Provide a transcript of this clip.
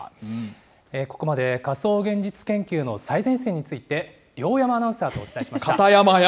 ここまで仮想現実研究の最前線について、両山アナウンサーと片山や！